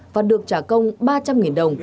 và được trả công ba trăm linh đồng